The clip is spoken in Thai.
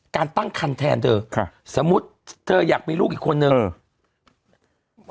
ตั้งคันแทนเธอค่ะสมมุติเธออยากมีลูกอีกคนนึงเออ